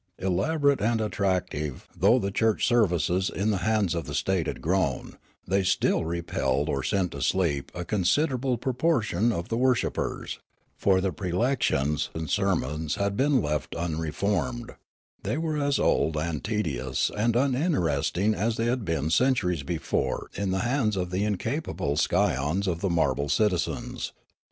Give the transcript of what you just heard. Elaborate and attractive though the church services in the hands of the state had grown, they still repelled or sent to sleep a considerable proportion of the wor shippers ; for the prelections and sermons had been left unreformed ; they were as old and tedious and un interesting as thcN' had been centuries before in the hands of the incapable scions of the marble citizens.